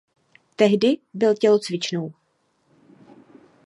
Tehdy byl tělocvičnou.